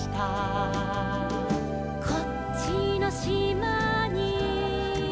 「こっちのしまに」